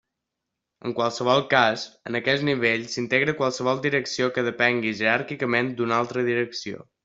En qualsevol cas, en aquest nivell s'integra qualsevol Direcció que depengui jeràrquicament d'una altra Direcció.